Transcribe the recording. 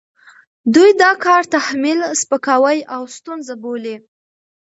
دوی دا کار تحمیل، سپکاوی او ستونزه بولي،